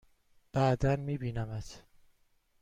بعدا می بینمت!